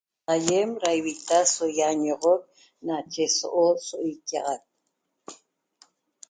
Aýem da ivita so ýañoxoc nache so'ot so iquia'axac